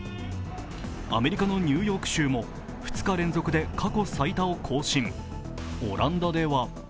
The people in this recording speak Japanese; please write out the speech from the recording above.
アメリカのニューヨーク州も２日連続で過去最多を更新。